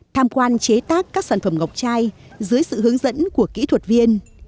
tham quan chế tác các sản phẩm ngọc chai dưới sự hướng dẫn của kỹ thuật viên